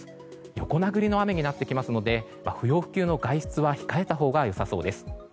横殴りの雨になってきますので不要不急の外出は控えたほうが良さそうです。